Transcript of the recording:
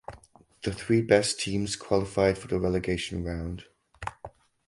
The three best teams qualified for the relegation round.